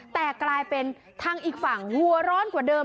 แต่กลายเป็นทางอีกฝั่งหัวร้อนกว่าเดิม